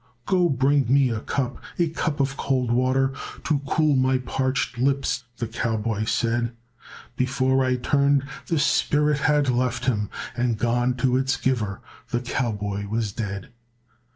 "Go bring me a cup, a cup of cold water, To cool my parched lips," the cowboy said; Before I turned, the spirit had left him And gone to its Giver, the cowboy was dead.